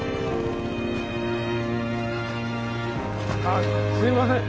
あっすいません。